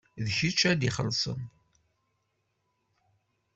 D kečč ad ixellṣen.